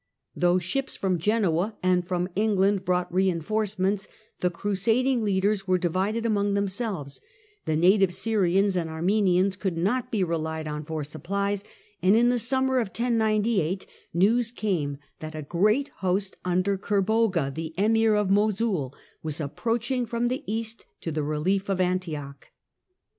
Though ships from Genoa and from England brought reinforcements, the crusading leaders were divided among themselves, the native Syrians and Armenians could not be relied on for supplies, and in the summer of 1098 news came that a great host under Kerboga, the Emir of Mosul, was approaching from the east to the relief of Antioch.